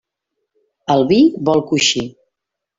El vi vol coixí.